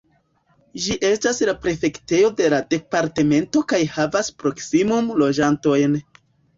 Ĝi estas la prefektejo de la departemento kaj havas proksimume loĝantojn.